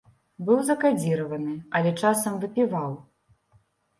Быў закадзіраваны, але часам выпіваў.